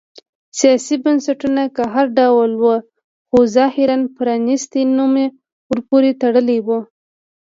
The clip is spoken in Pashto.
سیاسي بنسټونه که هر ډول و خو ظاهراً پرانیستی نوم ورپورې تړلی و.